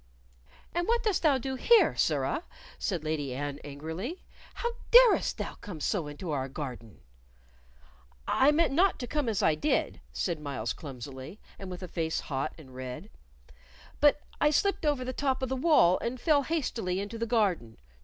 "And what dost thou do here, sirrah?" said Lady Anne, angrily. "How darest thou come so into our garden?" "I meant not to come as I did," said Myles, clumsily, and with a face hot and red. "But I slipped over the top of the wall and fell hastily into the garden.